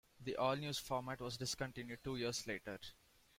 The all-news format was discontinued two years later.